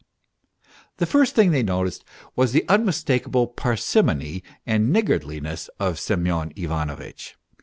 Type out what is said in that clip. The first thing they noticed was the unmistakable parsimony and niggardliness of Semyon Ivanovitch.